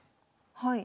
はい。